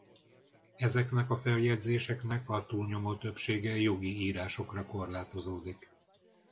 Ezeknek a feljegyzéseknek a túlnyomó többsége jogi írásokra korlátozódik.